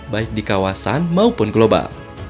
baik di kawasan maupun global